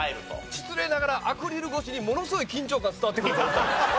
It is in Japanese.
失礼ながらアクリル越しにものすごい緊張感伝わってくるんですよ。